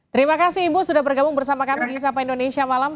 terima kasih ibu sudah bergabung bersama kami di sapa indonesia malam